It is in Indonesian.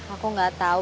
aku gak tahu